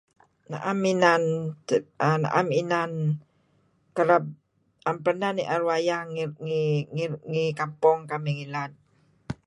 Naem inan naem inan kerab am pernah nier wayang ngi kampong kamih ngilad.